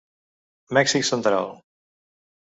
Mèxic central.